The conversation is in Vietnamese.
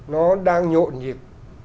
nó đang nhộn nhịp